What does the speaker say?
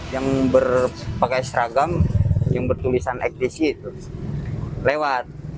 yang berpakaian seragam yang bertulisan eki lewat